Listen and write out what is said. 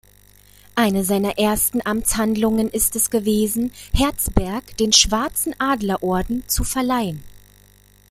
Eine seiner ersten Amtshandlungen ist es gewesen, Hertzberg den Schwarzen Adlerorden zu verleihen.